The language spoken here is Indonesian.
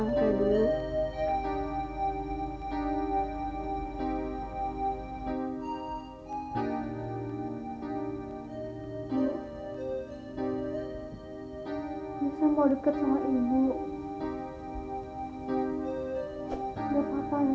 nisa di rumah om tidak bisa menangkapnya